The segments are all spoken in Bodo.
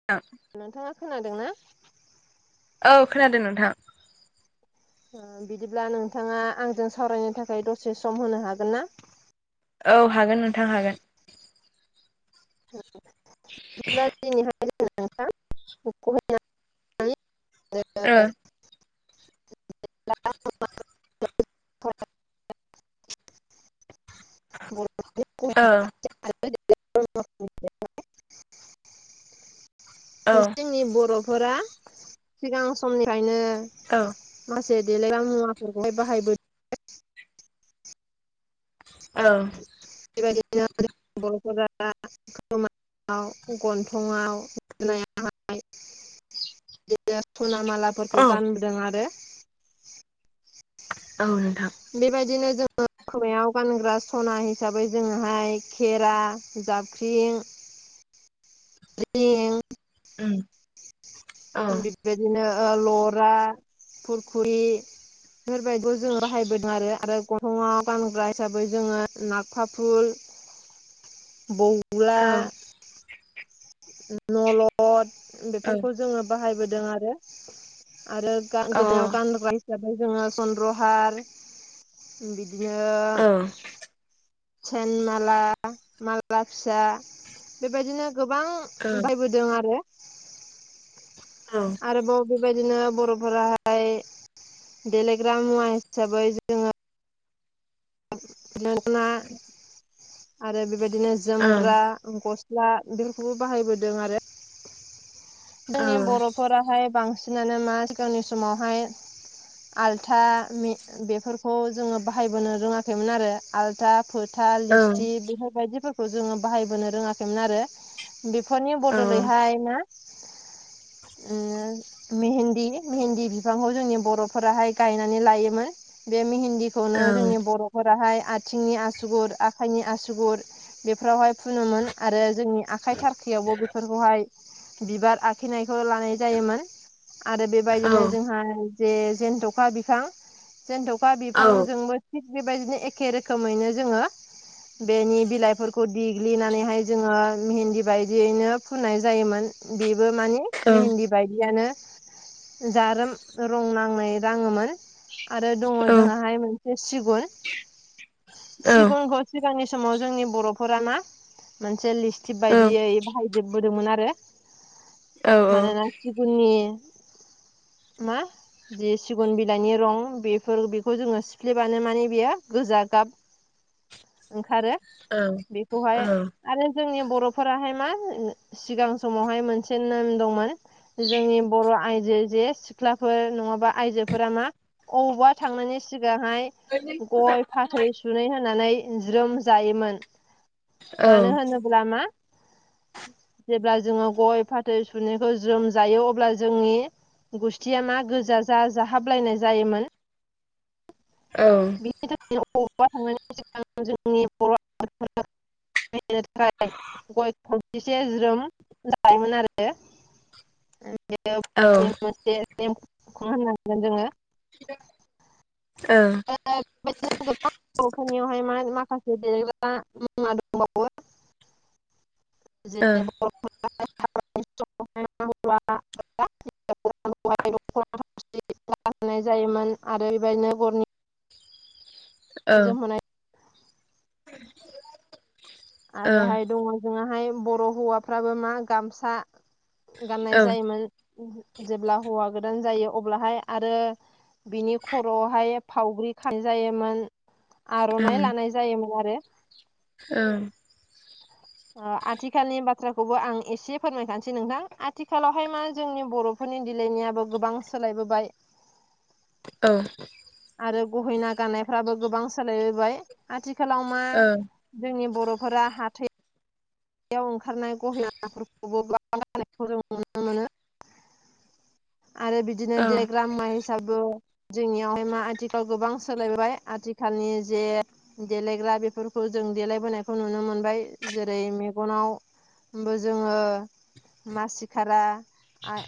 [unintelligible] नोंथाङा खोनादों ना? औ खोनादों नोंथां ओ बिदिब्ला नोंथाङा आंजों सावरायनो थाखाय दसे सम होनो हागोन ना औ हागोन नोंथां हागोन [unintelligible] ओ [unintelligible] [unintelligible] औ औ जोंनि बर'फोरा सिगां समनिफ्रायनो औ मासे देलायग्रा मुवाफोरखौहाय बाहायबो औ [unintelligible] आव गन्थंआव [unintelligible] बिदिनो सना मालाफोरखौ गानबोदों आरो औ नोंथां बेबायदिनो जोङो खोमायाव गानग्रा सना हिसाबै जोङोहाय खेरा जाबख्रिं [unintelligible] उम औ बेबायदिनो ओ लरा फुरखुरि बेफोरबायबो जों बाहायबोदों आरो आरो ग -थङाव गानग्रा हिसाबै जोङो नाफा फुल बौ उला औ नलद औ बेफोरखौ जोङो बाहायबोदों आरो आरो गां औ गोदनायाव गानग्रा हिसाबै जोङो सन्द्रहार उम बिदिनो औ सेन माला माला फिसा बेबायदिनो गोबां औ उम बायबोदों आरो औ। आरोबाव बेबायदिनो बर'फोराहाय देलायग्रा मुवा हिसाबै जों - [unintelligible] आरो बेबायदिनो जोमग्रा औ गस्ला बेफोरखौबो बाहायबोदों आरो। औ जोंनि औ बर'फोराहाय बांसिनानो मा सिगांनि समावहाय आलथा मि बेफोरखौ जोङो बाहायबोनो रोङाखैमोन आरो आल्था फोथा औ उम औ लिस्टि बेफोरबायदिफोरखौ जोङो बाहायबोनो रोङाखैमोन आरो बिफोरनि औ बदलैहाय ना [inaudible] ओ मेहेन्दि मेहेन्दि बिफांखौ जोंनि बर'फोराहाय गायनानै लायोमोन। बे मेहेन्दि -खौनो जोंनि बर'फोराहाय आथिंनि आसुगुर, आखाइनि आसुगुर बेफोरावहाय फुनोमोन आरो जोंनि आखाइ थारखायावबो बेफोरखौहाय बिबार आखिनायखौ लानाय जायोमोन आरो बेबायदिनो जोंहा जे जेेनथ'खा बिफां जेन्थ'खा बिफांजोंबो थिग बेबायदिनो एखे रोखोमैनो जोङो बेनि बिलाइफोरखौ देग्लिनानैहाय जोङो मिहिन्दि बायदियैनो फुननाय जायोमोन बिबो माने मेहेन्दि बायदियानो जारोम रं नांनाय राङोमोन आरो दङ जोंआहाय मोनसे सिगुन सिगुनखौ सिगांनि समाव जोंनि बर'फोरा मा मोनसे लिस्टिक बायदियै बाहायजोबबोदोंमोन आरो मानोना सिगुननि मा जि सिगुन बिलाइनि रं बेफोर बिखौ जोङो सिफ्लेबानो माने बेयो गोजा गाब [inaudible] ओंखारो बेखौहाय आरो जोंनि बर'फोराहाय मा ओ सिगां समावहाय मोनसे नेम दंमोन जोंनि बर' आइजो जे सिब सिख्लाफोर नङाबा आइजोफोरा मा अबावबा थांनायनि सिगांहाय गय फाथ -थै सुनै होनानै ज्रोम जायोमोन मानो होनोब्ला मा अब्ला जोङो गय फाथै सुनैखौ ज्रोम जायो अब्ला जोंनि गुस्थिया मा गोजा जा जाहाबलायनाय जायोमोन। औ। बिनि थाखायनो अबेबा थांनायनि सिगां जोंनि बर'फोरा [unintelligible] नो थाखाय गय खावसेसे ज्रोम जायोमोन आरो। [unintelligible] ओ बेबो मोनसे नेमखौनो होननां सिगोन जोङो [unintelligible] ओ। ओ बेबायदिनो गोबां बर'फोरनियावहाय मान माखासे देलायग्रा मुवा दंबावो। [unintelligible] [unintelligible] [unintelligible] जायोमोन आरो बेबायदिनो बरनि जोम होनाय आरोहाय दङ जोङाहाय बर' हौवाफ्राबो मा गामसा गाननाय जायोमोन जेब्ला हौवा गोदान जायो अब्लाहाय आरो बिनि खर'आवहाय फावग्रि खानाय जायोमोन आर'नाइ लानाय जायोमोन आरो। ओं ओ आथिखालनि बाथ्राखौबो आं एसे फोरमाय खानोसै नोंथां आथिखालावहाय मा जोंनि बर' फोरनि देलायनायाबो गोबां सोलायबोबाय। औ। आरो गहेना गाननायफ्राबो गोबां सोलायबोबाय आथिखालाव मा जोंनि बर'फोरा हाथाय याव ओंखारनाय गहेना फोरखौबो गाननायखौ जों नुनो मोनो। आरो बिदिनो देलायग्रा मुवा हिसाबो जोंनियावहाय मा आथिखाल गोबां सोलायबोबाय आथिखालनि जे देलायग्रा बेफोरखौ जों देलायबोनायखौ नुनो मोनबाय जेरै मे मेगनावबो जोङो मासिखारा आइ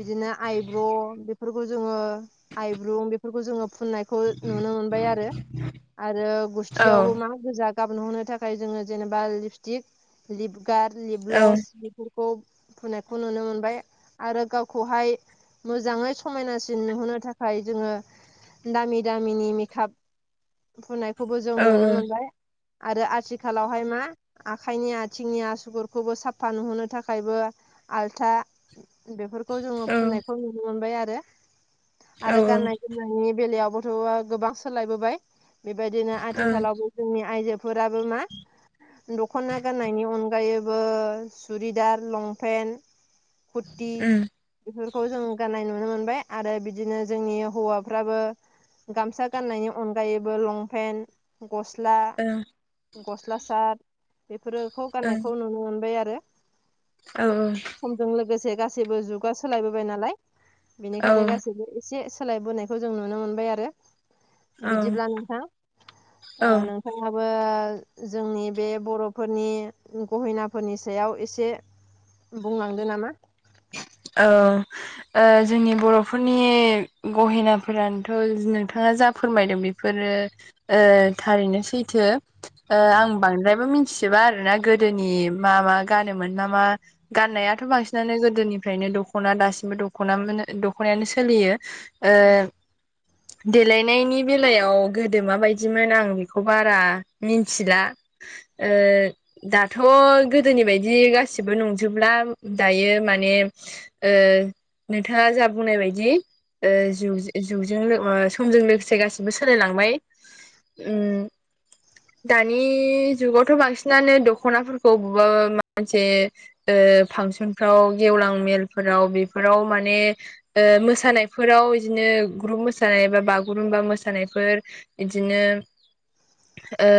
बिदिनो आइब्र' बेफोरखौ जोङो आइब्रुं बेफोरखौ जोङो फुननाय खौ नुनो मोनबाय आरो आरो औ गुस्थियावबो मा गोजा गाब नुहोनो थाखाय जोङो जेनेबा लिपस्टिक, लिपगार्ड, औ लिपग्लस फोरखौ फुननायखौ नुनो मोनबाय। आरो गावखौहाय मोजाङै समायनासिन नुहोनो थाखाय जोङो दामि दामिनि मेखाब फुननायखौबो औ जों नुनो मोनबाय आरो आथिखालावहाय मा आखाइनि, आथिंनि आसुगुरखौबो साफा नुहोनो थाखायबो आल्था बेफोरखौ जोङो फुननायखौ नुनो मोनबाय आरो आरो गाननाय जोम नायनि बेलायावबोथ' गोबां सोलायबोबाय बेबायदिनो आथिखालावबो जोंनि आइजोफोराबो मा दख'ना गाननायनि अनगायैबो सुरिदार लंपेन्ट खुरति बेफोरखौ जों गाननाय नुनो मोनबाय आरो बिदिनो जोंनि हौवाफ्राबो गामसा गाननायनि अनगायैबो लंपेन्ट गस्ला, गस्ला सार्थ बेफोरोखौ गाननायखौ नुनो मोनबाय आरो। औ औ। समजों लोगोसे गासैबो जुगा सोलायबोबाय नालाय बेनिखायनो गासैबो से सोलायबोनायखौ जों नुनो मोनबाय आरो। औ बिदिब्ला नोंथां ओ नों थांआबो जोंनि बे बर'फोरनि गहेनाफोरनि सायाव एसे बुंलांदो नामा? औ ओ जोंनि बर'फोरनि गहेनाफोरानोथ' नोंथाङा जा फोरमायदों बे फोरो ओ थारैनो सैथो ओ उम आं बांद्रायबो मिथ सिबा आरो ना गोदोनि मा मा गानोमोन मा मा गाननायाथ' बांसिनानो गो दोनिफ्रायनो दख'ना दासिमबो दखना दख'नायानो सोलियो। ओ देलायनायनि बेलायाव गोदो माबायदिमोन आं बेखौ बारा मिन्थिला। ओ दाथ' गोदोनि बायदि गासिबो नंजोबला दायो मा ने ओ नोंथाङा जा बुंनाय बायदि ओ जुगजों लो समजों लोगोसे गासिबो सोलाय लांबाय। ओम दानि जुगावथ' बांसिनानो दख'नाफोरखौ बबेबा मोनसे ओ फांसनफ्राव गेवलां मेलफोराव बेफोराव माने ओ मोसानायफोराव इदिनो ग्रुप मोसानाय बा बागुरुमबा मोसानायफोर बिदिनो ओ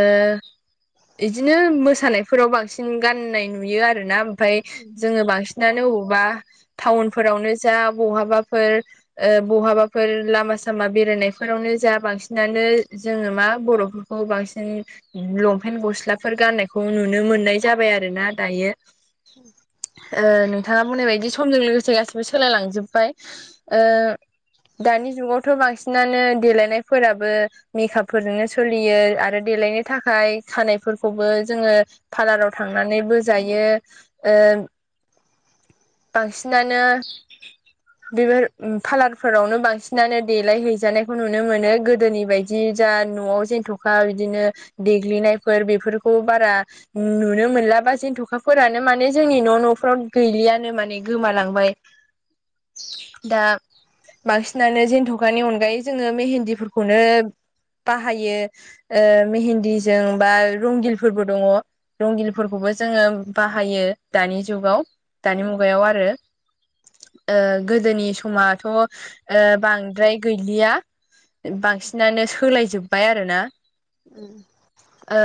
इदिनो मोसानायफोराव बांसिन गाननाय नुयो आरोना ओमफ्राय जोङो बांसिन बा टाउनफोरावनो जा बहाबाफोर ओ बहाबाफोर लामा सामा बेरायनायफोरावनो जा बांसिनानो जोङो मा बर' खौ बांसिन लंपेन्ट गस्लाफोर गाननायखौ नुनो मोननाय जाबाय आरो ना दायो। [inaudible] ओ नोंथाङा बुंनाय बायदि समजों लोगोसे गासिबो सोलायलांजोबबाय। ओ दानि जुगावथ' बांसिनानो देलायनायफोराबो मेकाप फोरजोंनो सोलियो आरो देलायनो खानायफोरखौबो जोङो फारलार आव थांनानै बोजायो ओ बांसिनानो बेफोर पार्लारफोरावनो बांसिनानो देलाय हैैजानायखौ नुनो मोनो गोदोनि बाय दि जा न'आव जेनथ'खा बिदिनो देग्लिनायफोर बेफोरखौ बारा नुनो मोनला बा जेनथ'खाफोरानो माने जोंनि न' न' फ्राव गैलियानो माने गोमालांबाय। दा बांसिनानो जेेनथ'खानि अनगायै जोङो मेहेन्ददिफोरखौनो बाहायो। ओ मेहेन्दीजों बा रंगिलफोरबो दङ। रंगिलफोरखौबो जोङो बाहायो दानि जुगाव दानि मुगायाव आरो ओ गोदोनि समथ' ओ बांद्राय गैलिया बांसिनानो सोलाय जोब्बाय आरोना। [inaudible] ओ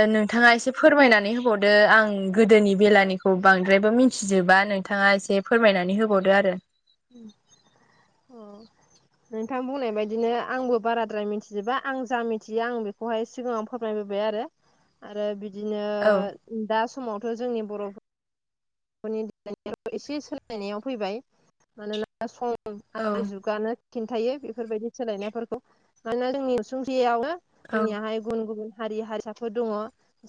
ओ नोंथाङा एसे फोरमायनानै होबावदो आं गोदोनि बेलानि खौ बांद्रायबो मिथिजोबा नोंथाङा एसे फोरमायनानै होबावदो आरो। उम औ [inaudible] नोंथां बुंनाय बायदिनो आंबो बाराद्राय मिथिजोबा आं जा मिथियो आं बेखौहाय सिगाङाव फोरमायबोबाय आरो आरो बिदिनो औ दा समावथ' जोंनि बर' [unintelligible] एसे सोलायनायाव फैबाय मानोना सम औ आरो जुगानो खिन्थायो बेफोरबायदि सोलायनायफोरखौ मानोना जोंनि उसुंसेयावनो औ जोंनियाहाय गुबुन गुबुन हारि हारसाफीर दंङ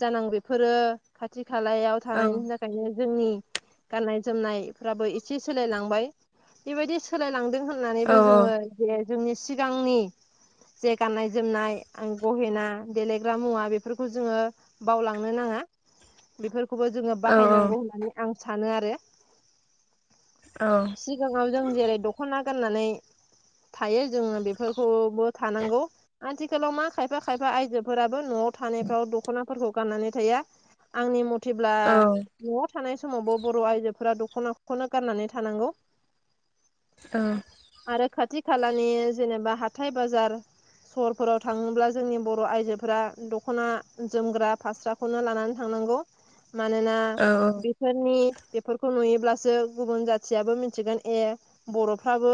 जानां बेफोरो खाथि खालायाव औ थानायनि थाखायनो जोंनि गाननाय जोमनायफ्राबो एसे सोलायलांबाय बेबायदि सोलायलांदों औ होननानैबो जोङो। जे जोंनि सिगांनि जे गाननाय जोमनाय आं गहेना देलेग्रा मुवा बेफोरखौ जोङो बावलांनो नाङा। बेफोरखौबो जोङो औ बाहायनांगौ होननानै आं सानो आरो। औ सिगाङाव जों जेरै दख'ना गाननानै थायो जोङो बेफोरखौबो-बो थानांगौ। आथिखालाव मा खायफा खायफा आयजोफोराबो न'आव थानायफ्राव दख'नाफोरखौ गाननानै थाया आंनि मथेब्ला औ बे थानाय समावबो बर' आइजोफोरा दख'नाखौनो गाननानै थानांगौ। औ आरो खाथि खालानि जेनेबा हाथाय बाजार सहरफोराव थाङोब्ला जोंनि बर' आइजोफोरा दख'ना जोमग्रा फास्रा खौनो लानानै थांनांगौ मानोना औ बेफोरनि बेफोरखौ नुयोब्लासो गुबुन जाथियाबो मिथिगोन ए बर'फ्राबो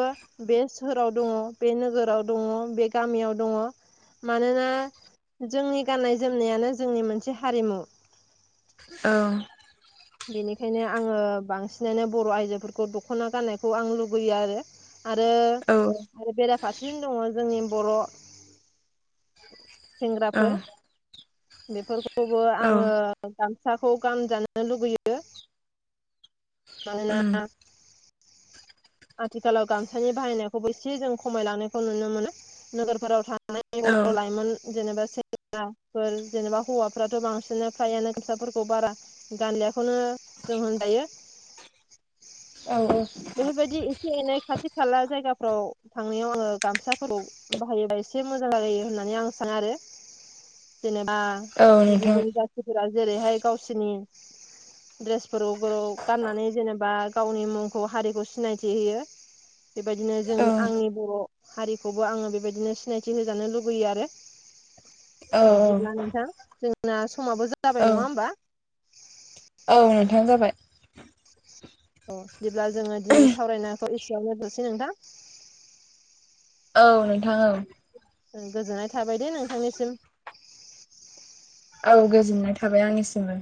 बे सोहोराव दङ बे नोगोराव दङ बे गामियाव दङ। मानोना जोंनि गाननाय जोमनायानो जोंनि मोनसे हारिमु। औ बेनिखायनो आङो बांसिनानो बर' आइजोफोरखौ दख'ना गाननायखौ आं लुगैयो आरो। आरो औ आरो बेरा फारसेजों दङ जोंनि बर' औ सेंग्राफोर बेफोरखौबो औ आङो गामसाखौ गानजानो लुुबैयो। मानोना [inaudible] आथिखालाव गामसानि बाहायनायखौबो एसे जों खमायलांनायखौ नुनो मोनो नोगोरफोराव थां थांनाय औ बर' लाइमोन जेनेबा सेंग्राफोर जेनेबा हौवाफ्राथ' बांसिन फ्रायानो गामसाफोरखौ बारा गानलिआखौनो जों होनजायो। औ बेबायदि एसे एनै खाथि खाला जायगाफोराव थांनायाव आङो गामसाफोरखौ बाहायोबा एसे मोजां जायो होननानै आं सानो आरो जेनेबा औ नोंथां गुबुन जाथिफ्रा जेरैहाय गावसिनि द्रेस ग्रौ ग्रौ गाननानै जेनेबा गावनि मुंखौ हारिखौ सिनायथि होयो। बेबायदिनो जों औ आंनि बर' हारिखौबो आङो बेबायदिनो सिनायथि होजानो लुुबैयो आरो। औ बिदिब्ला नोंथां जोंना समाबो औ जाबाय नङा होमबा? औ नोंथां जाबाय। औ बिदिब्ला जोङो दिनै सावरायनायखौ एसेयावनो दोनथ'सै नोंथां। औ नोंथां औ ओं गोजोननाय थाबाय दे नोंथांनिसिम। औ गोजोननाय थाबाय आंनिसिमबो।